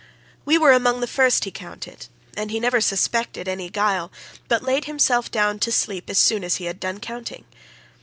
We were among the first he counted, and he never suspected any guile, but laid himself down to sleep as soon as he had done counting.